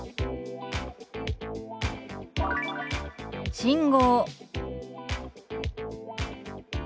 「信号」。